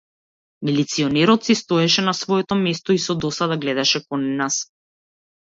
Милиционерот си стоеше на своето место и со досада гледаше кон нас.